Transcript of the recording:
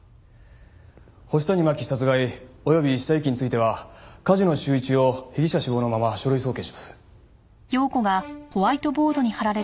星谷真輝殺害及び死体遺棄については梶野修一を被疑者死亡のまま書類送検します。